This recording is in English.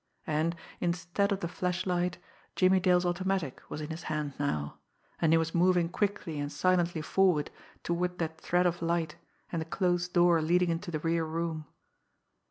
And, instead of the flashlight, Jimmie Dale's automatic was in his hand now, and he was moving quickly and silently forward toward that thread of light and the closed door leading into the rear room.